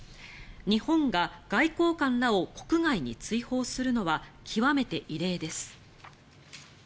日本が外交官らを国外に追放するのは極めて異例です。